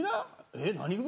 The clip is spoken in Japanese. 「えっ何組？」